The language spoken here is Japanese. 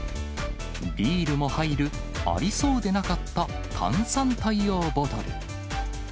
ビールも入る、ありそうでなかった炭酸対応ボトル。